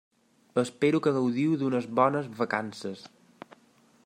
Espero que gaudiu d'unes bones vacances.